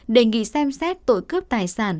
đề nghị xem xét tội cướp tài sản